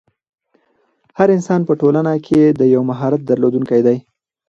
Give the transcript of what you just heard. هر انسان په ټولنه کښي د یو مهارت درلودونکی دئ.